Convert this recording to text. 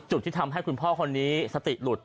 ที่ทำให้คุณพ่อคนนี้สติหลุด